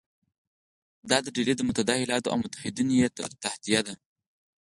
دا ډلې د متحده ایالاتو او متحدین یې تهدیدوي.